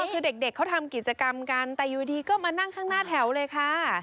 คือเด็กเขาทำกิจกรรมกันแต่อยู่ดีก็มานั่งข้างหน้าแถวเลยค่ะ